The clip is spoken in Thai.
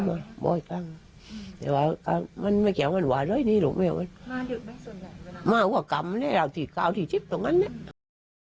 มากว่ากรรมเนี่ยเราที่เกาที่จิ๊บตรงนั้นเนี่ย